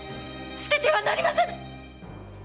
捨ててはなりませぬ！